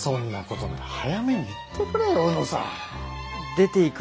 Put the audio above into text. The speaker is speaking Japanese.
出ていく